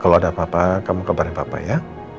kalau ada apa apa kamu kabarin bapak ya